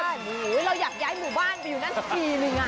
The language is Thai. โอ้โหเราอยากย้ายหมู่บ้านไปอยู่นั่นสักทีนึง